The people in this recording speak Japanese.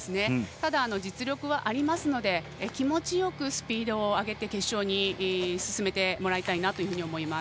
ただ、実力はありますので気持ちよくスピードを上げて決勝に進んでもらいたいと思います。